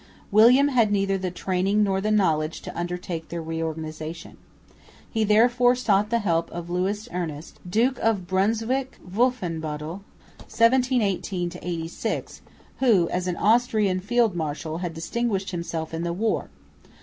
William had neither the training nor the knowledge to undertake their reorganisation. He therefore sought the help of Lewis Ernest, Duke of Brunswick Wolfenbüttel (1718 86), who, as an Austrian field marshal, had distinguished himself in the war.